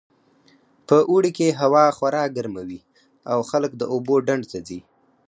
په اوړي کې هوا خورا ګرمه وي او خلک د اوبو ډنډ ته ځي